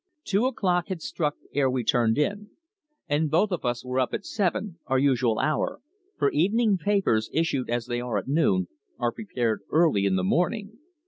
Two o'clock had struck ere we turned in, and both of us were up at seven, our usual hour, for evening papers, issued as they are at noon, are prepared early in the morning.